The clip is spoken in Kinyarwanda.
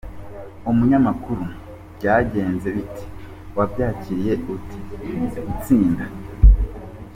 Umunyamakuru: Byagenze bite? Wabyakiriye ute gutsinda?.